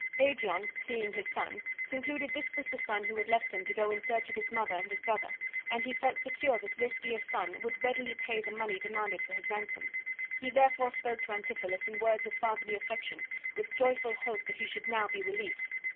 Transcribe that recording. Aegeon, seeing his son, concluded this was the son who had left him to go in search of his mother and his brother, and he felt secure that this dear son would readily pay the money demanded for his ransom. He therefore spoke to Antipholus in words of fatherly affection, with joyful hope that he should now be released.